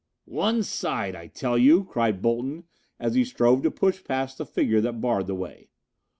"One side, I tell you!" cried Bolton as he strove to push past the figure that barred the way.